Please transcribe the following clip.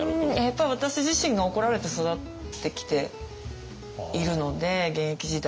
やっぱり私自身が怒られて育ってきているので現役時代